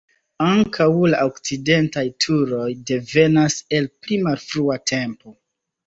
Ankaŭ la okcidentaj turoj devenas el pli malfrua tempo.